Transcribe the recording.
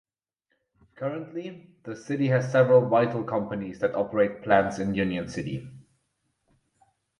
Currently, the city has several vital companies that operate plants in Union City.